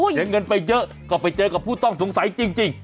เสียเงินไปเยอะก็ไปเจอกับผู้ต้องสงสัยจริง